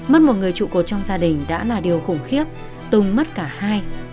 mất một người trụ cột trong gia đình đã là điều khủng khiếp tùng mất cả hai